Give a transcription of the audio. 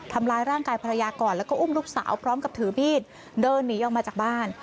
ทำร้ายร่างกายภรรยาก่อนแล้วก็อุ้มลูกสาวพร้อมกับถือมีดเดินหนีออกมาจากบ้าน